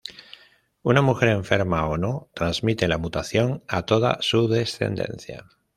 Una mujer enferma o no, transmite la mutación a toda su descendencia.